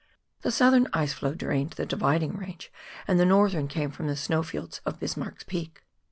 The southern ice flow drained the Dividing Range, and the northern came from the snowfields of Bismarck's Peak.